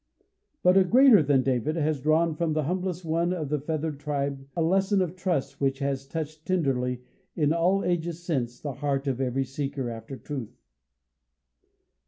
But a "Greater than David," has drawn from this humblest one of the feathered tribe, a lesson of trust which has touched tenderly, in all ages since, the heart of every seeker after truth.